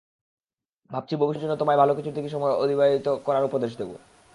ভাবছি ভবিষ্যতের জন্য তোমায় ভালো কিছুর দিকে সময় অতিবাহিত করার উপদেশ দেবো।